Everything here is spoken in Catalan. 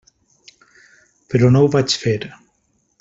Però no ho vaig fer.